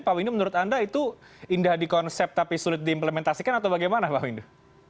pak windu menurut anda itu indah di konsep tapi sulit diimplementasikan atau bagaimana pak windu